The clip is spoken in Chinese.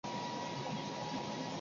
阿内龙。